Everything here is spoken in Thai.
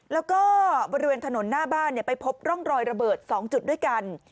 แล้วก็บริเวณถนนหน้าบ้านไปพบร่องรอยระเบิด๒จุดด้วยกัน